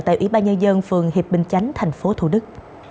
tại ủy ban nhân dân phường hiệp bình chánh thành phố thủ đức